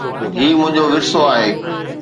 هي منهنجو ورثو آهي